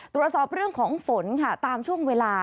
ตรวจสอบเรื่องของฝนค่ะตามช่วงเวลา